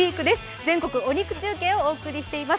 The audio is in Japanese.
全国お肉中継をしています。